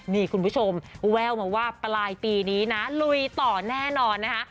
นี่คุณผู้ชมแววมาว่าปลายปีนี้นะลุยต่อแน่นอนนะคะ